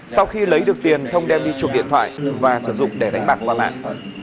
sau khi lấy được tiền thông đem đi chuộc điện thoại và sử dụng để đánh bạc qua mạng